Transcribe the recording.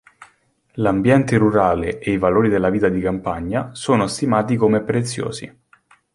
L'ambiente rurale e i valori della vita di campagna sono stimati come preziosi.